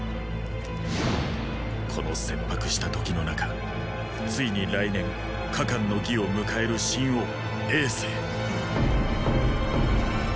この切迫した時の中ついに来年加冠の儀を迎える秦王政。